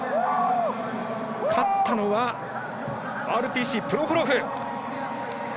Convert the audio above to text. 勝ったのはＲＰＣ、プロホロフ。